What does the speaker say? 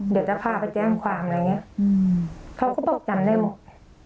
เดี๋ยวจะพาไปแจ้งความอะไรอย่างเงี้ยเขาก็บอกจำได้หมด